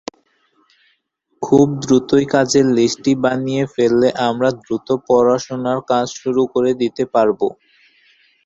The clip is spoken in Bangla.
খুব দ্রুতই কাজের লিস্টটি বানিয়ে ফেললে আমরা দ্রুত পড়াশুনার কাজ শুরু করে দিতে পারবো।